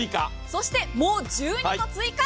そしてもう１２個追加。